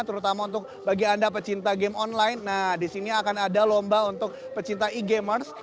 terutama untuk bagi anda pecinta game online nah disini akan ada lomba untuk pecinta e gamers